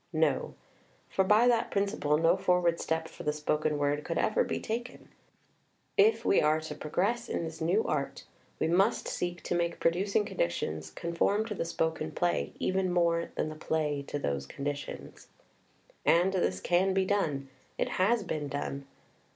No, for by that principle no forward step for the spoken word could ever be taken. // we are to progress in this new art, we must seek to make producing conditions con form to the spoken play, even more than the play to those conditions. And this can be done; it has been done.